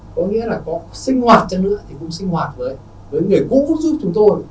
có nghĩa là có sinh hoạt chẳng nữa thì cũng sinh hoạt với người cũ giúp chúng tôi